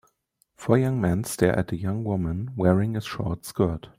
Four young men stare at a young woman wearing a short skirt